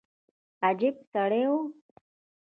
عجب سړى و.